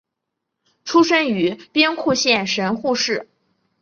出身于兵库县神户市。